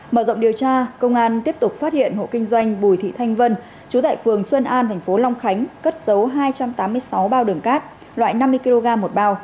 mở rộng điều tra công an tiếp tục phát hiện hộ kinh doanh bùi thị thanh vân trú tại phường xuân an thành phố long khánh cất xấu hai trăm tám mươi sáu bao đường cát